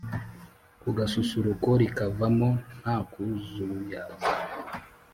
Ku gasusuruko rika vamo ntakuzuyaza